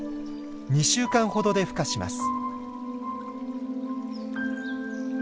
２週間ほどでふ化します。